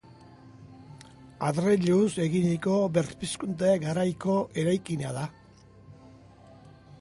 Adreiluz eginiko Berpizkunde garaiko eraikina da.